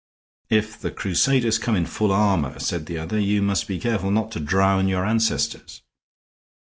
"If the crusaders come in full armor," said the other, "you must be careful not to drown your ancestors."